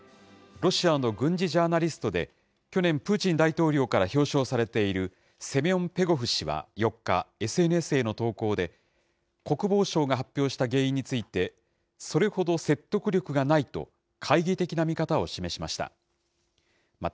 ロシアの軍事ジャーナリストで、去年、プーチン大統領から表彰されている、セミョン・ペゴフ氏は４日、ＳＮＳへの投稿で、国防省が発表した原因について、それほど説得力がないと懐疑的な見方を示しました。